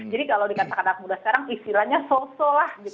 jadi kalau dikatakan anak muda sekarang istilahnya so so lah gitu